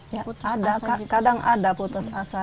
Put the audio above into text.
ya ada kadang ada putus asa